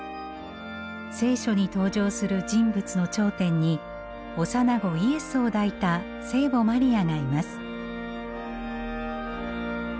「聖書」に登場する人物の頂点に幼子イエスを抱いた聖母マリアがいます。